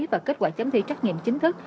và kết quả chấm thi trắc nghiệm chính thức